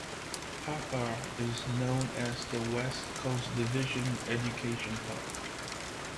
Papar is known as the West Coast Division education hub.